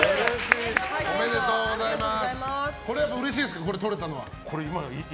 おめでとうございます。